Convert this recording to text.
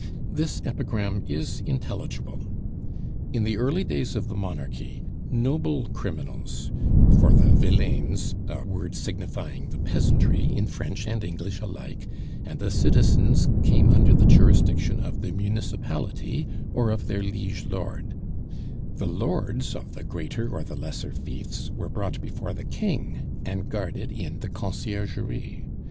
This epigram is intelligible. In the early days of the monarchy, noble criminals for the villeins (a word signifying the peasantry in French and English alike) and the citizens came under the jurisdiction of the municipality or of their liege lord the lords of the greater or the lesser fiefs, were brought before the king and guarded in the Conciergerie.